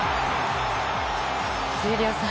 闘莉王さん